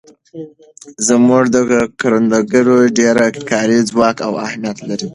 زموږ کروندګر ډېر کاري ځواک او همت لري.